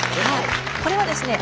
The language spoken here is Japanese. これはですね